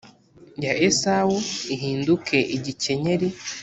ya esawu ihinduke igikenyeri